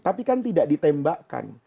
tapi kan tidak ditembakkan